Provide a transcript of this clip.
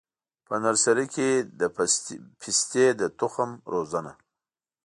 په نرسري کي د پستې د تخم روزنه: